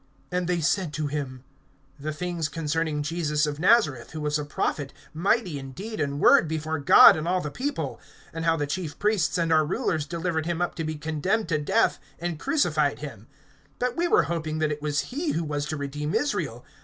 And they said to him: The things concerning Jesus of Nazareth, who was a prophet mighty in deed and word before God and all the people; (20)and how the chief priests and our rulers delivered him up to be condemned to death, and crucified him. (21)But we were hoping that it was he who was to redeem Israel.